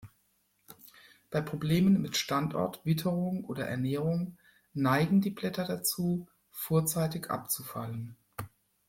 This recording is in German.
Bei Problemen mit Standort, Witterung oder Ernährung neigen die Blätter dazu, vorzeitig abzufallen.